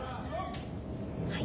はい。